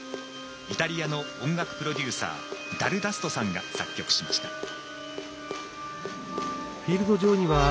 イタリアの音楽プロデューサーダルダストさんが作曲しました。